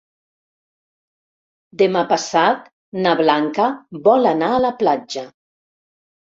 Demà passat na Blanca vol anar a la platja.